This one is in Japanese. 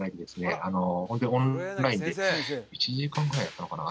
１時間ぐらいやったのかな